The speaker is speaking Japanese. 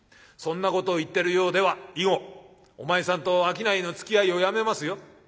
そんなことを言ってるようでは以後お前さんと商いのつきあいをやめますよ」。